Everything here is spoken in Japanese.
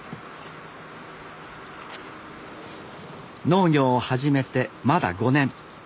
農業を始めてまだ５年。